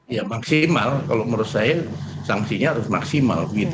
ya maksimal kalau menurut saya sanksinya harus maksimal